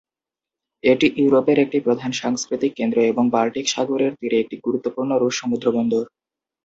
এটি ইউরোপের একটি প্রধান সাংস্কৃতিক কেন্দ্র এবং বাল্টিক সাগরের তীরে একটি গুরুত্বপূর্ণ রুশ সমুদ্র বন্দর।